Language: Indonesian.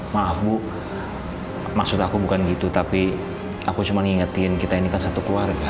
maaf bu maksud aku bukan gitu tapi aku cuma ingetin kita ini kan satu keluarga